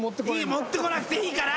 持ってこなくていいから。